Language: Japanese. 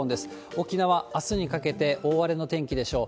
沖縄、あすにかけて大荒れの天気でしょう。